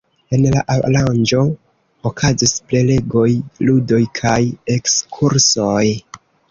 En la aranĝo okazis prelegoj, ludoj kaj ekskursoj.